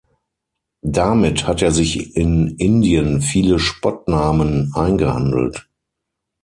Damit hat er sich in Indien viele Spottnamen eingehandelt.